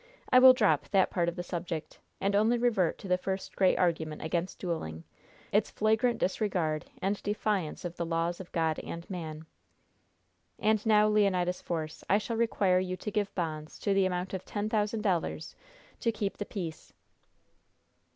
I will drop that part of the subject, and only revert to the first great argument against dueling its flagrant disregard and defiance of the laws of God and man. "And now, Leonidas Force, I shall require you to give bonds to the amount of ten thousand dollars to keep the peace."